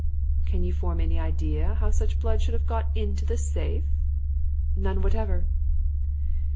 "Can you form any idea how such blood should have got into the safe?" "None whatever."